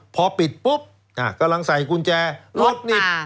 พอปิดปุ๊บกำลังใส่กุญแจรถนี่